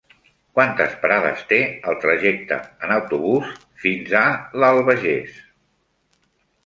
Quantes parades té el trajecte en autobús fins a l'Albagés?